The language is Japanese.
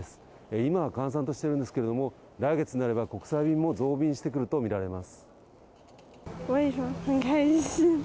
今は閑散としていますけれども、来月になれば国際便も増便してくるとみられます。